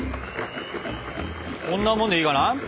こんなもんでいいかな？